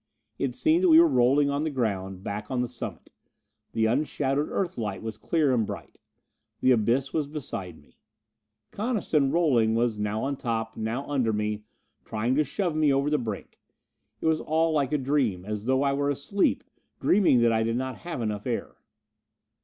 It seemed that we were rolling on the ground, back on the summit. The unshadowed Earthlight was clear and bright. The abyss was beside me. Coniston, rolling, was now on top, now under me, trying to shove me over the brink. It was all like a dream as though I were asleep, dreaming that I did not have enough air.